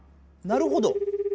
なるほど。